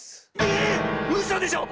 ええ⁉うそでしょ